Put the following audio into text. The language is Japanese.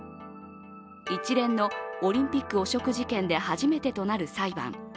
一連のオリンピック汚職事件で初めてとなる裁判。